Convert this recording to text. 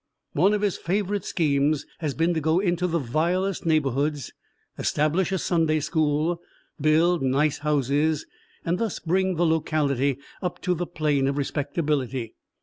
One of his favorite schemes has been to go into the vilest neighborhoods, establish a Sunday School, build nice houses, and thus bring the locality up to the plane of respectability.